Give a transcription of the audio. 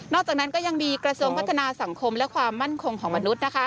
อกจากนั้นก็ยังมีกระทรวงพัฒนาสังคมและความมั่นคงของมนุษย์